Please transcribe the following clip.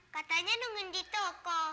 katanya nungundi toko